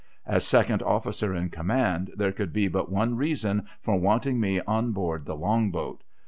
As second officer in command, there could be but one reason for wanting me on board the Long boat.